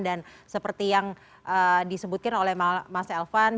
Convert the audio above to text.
dan seperti yang disebutkan oleh mas elvan